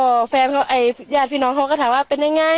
ก็แฟนเขาไอ้ญาติพี่น้องเขาก็ถามว่าเป็นยังไง